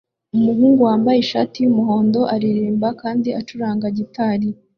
Umugabo wambaye ishati yumuhondo aririmba kandi acuranga gitari